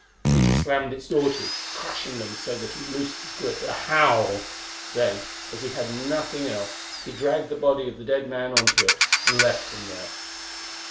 Peter slammed its door to, crushing them so that he loosed his grip, with a howl. Then, as he had nothing else, he dragged the body of the dead man on to it and left him there.